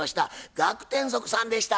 学天即さんでした。